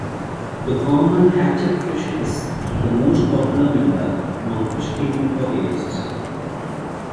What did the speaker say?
The common hatchetfish is the most popular member among fish keeping hobbyists.